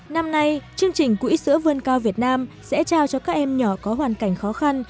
năm nay chương trình quỹ sữa vươn cao việt nam sẽ trao cho các em nhỏ có hoàn cảnh khó khăn